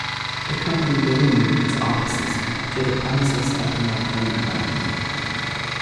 The company later moved its offices to the premises of the Marconi Company.